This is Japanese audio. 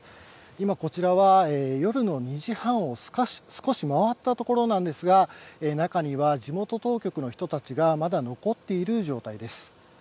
今こちらは夜の２時半を少し回ったところなんですが、中には地元当局の人たちがまだ残っている状態です。